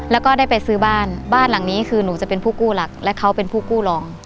แล้วก็ได้ไปซื้อบ้านบ้านหลังนี้คือหนูจะเป็นผู้กู้หลักและเขาเป็นผู้กู้รอง